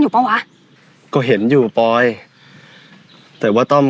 อยู่ปะวะก็เห็นอยู่ป๋วยแต่ว่าต้อม